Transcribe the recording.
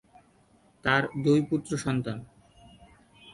তার দুই পুত্র সন্তান।